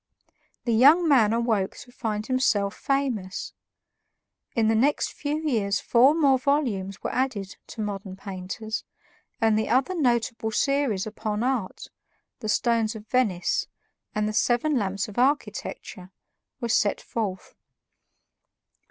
The young man awoke to find himself famous. In the next few years four more volumes were added to "Modern Painters," and the other notable series upon art, "The Stones of Venice" and "The Seven Lamps of Architecture," were sent forth.